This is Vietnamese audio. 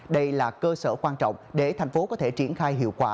đây là cơ sở quan trọng để tp hcm có thể triển khai hiệu quả